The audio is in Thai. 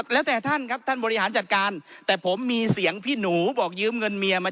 แล้วแต่ท่านครับท่านบริหารจัดการแต่ผมมีเสียงพี่หนูบอกยืมเงินเมียมา